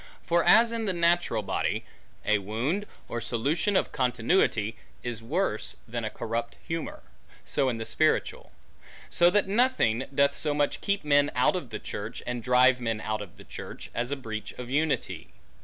For as in the natural body, a wound, or solution of continuity, is worse than a corrupt humor; so in the spiritual. So that nothing, doth so much keep men out of the church, and drive men out of the church, as breach of unity.